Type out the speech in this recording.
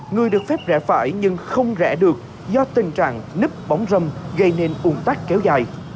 người được phép rẽ phải nhưng không rẽ được do tình trạng nếp bóng râm gây nên uồn tắc kéo dài